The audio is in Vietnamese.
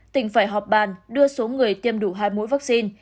tỉnh phải họp bàn đưa số người tiêm đủ hai mũi vaccine